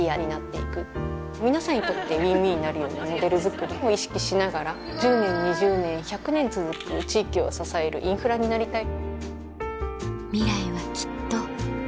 皆さんにとってＷＩＮＷＩＮになるようなモデルづくりも意識しながら１０年２０年１００年続く地域を支えるインフラになりたい。